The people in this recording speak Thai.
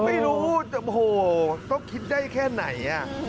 ไม่รู้จะโหต้องคิดได้แค่ไหน